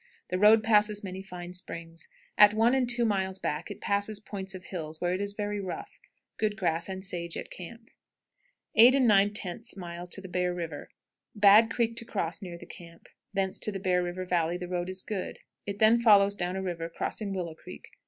The road passes many fine springs. At one and two miles back it passes points of hills, where it is very rough. Good grass and sage at camp. 8 9/10. Bear River. Bad creek to cross near the camp; thence to Bear River Valley the road is good. It then follows down the river, crossing Willow Creek.